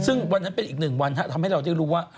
ซึ่งวันนั้นเป็นอีกหนึ่งวันทำให้เราได้รู้ว่า